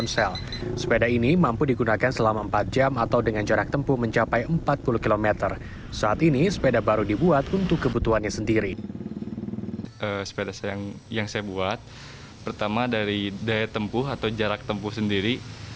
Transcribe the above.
sepeda yang saya buat pertama dari daya tempuh atau jarak tempuh sendiri